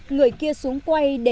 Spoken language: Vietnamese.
người kia xuống quay để chơi tiếp